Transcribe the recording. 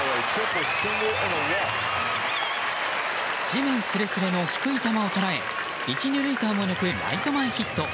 地面すれすれの低い球を捉え１、２塁間を抜くライト前ヒット。